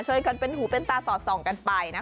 ช่วยกันเป็นหูเต้นต้าสอดส่องกันไปนะ